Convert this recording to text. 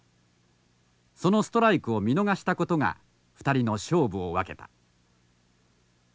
そのストライクを見逃したことが２人の勝負を分けた。